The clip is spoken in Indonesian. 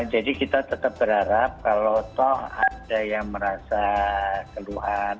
jadi kita tetap berharap kalau toh ada yang merasa keluhan